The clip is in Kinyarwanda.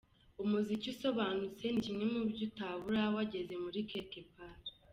Umuziki usobanutse ni kimwe mu byo utabura wageze muri Quelque Part.